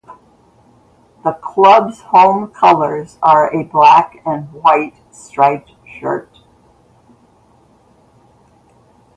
The club's home colours are a black and white striped shirt.